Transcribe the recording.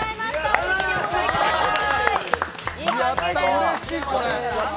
お席にお戻りくださーい。